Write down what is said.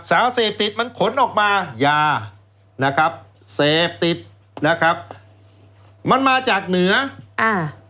สารเสพติดมันขนออกมายานะครับเสพติดนะครับมันมาจากเหนืออ่า